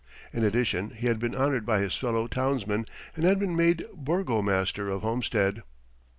In addition, he had been honored by his fellow townsmen and had been made burgomaster of Homestead.